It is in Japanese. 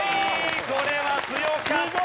これは強かった。